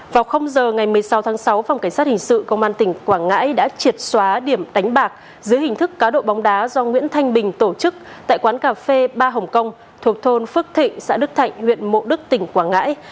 vào giờ ngày một mươi sáu tháng sáu phòng cảnh sát hình sự công an tỉnh quảng ngãi đã triệt xóa điểm đánh bạc dưới hình thức cá độ bóng đá do nguyễn thanh bình tổ chức tại quán cà phê ba hồng kông thuộc thôn phước thịnh xã đức thạnh huyện mộ đức tỉnh quảng ngãi